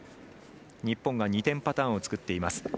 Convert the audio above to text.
日本が２点パターンを作っています。